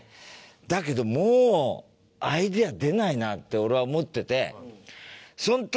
だけどもうアイデア出ないなって俺は思ってて。